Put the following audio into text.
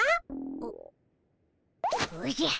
おおじゃ。